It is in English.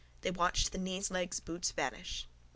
They watched the knees, legs, boots vanish.